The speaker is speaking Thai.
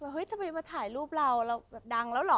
เฮ้ยทำไมมาถ่ายรูปเราเราแบบดังแล้วเหรอ